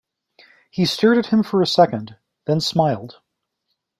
He stared at him for a second, then smiled.